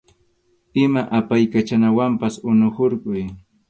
Ima apaykachanawanpas unu hurquy.